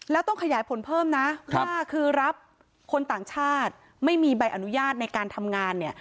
แล้วต้องขยายผลเพิ่มนะว่าคือรับคนต่างชาติไม่มีใบอนุญาตในการทำงานเนี่ย